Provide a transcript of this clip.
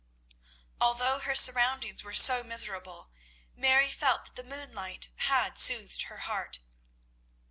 Although her surroundings were so miserable, Mary felt that the moonlight had soothed her heart.